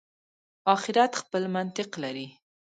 آخرت خپل منطق لري.